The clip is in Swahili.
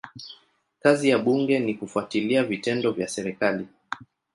Kazi ya bunge ni kufuatilia vitendo vya serikali.